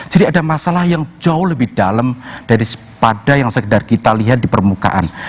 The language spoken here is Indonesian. jadi ada masalah yang jauh lebih dalam dari pada yang sekedar kita lihat di permukaan